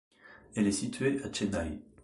Elle est située à Chennai.